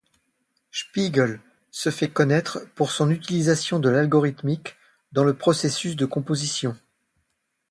Spiegel se fait connaître pour son utilisation de l'algorithmique dans le processus de composition.